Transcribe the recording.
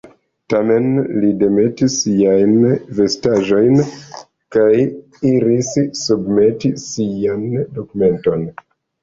Tiam, li demetis siajn vestaĵojn kaj iris submeti sian dokumenton.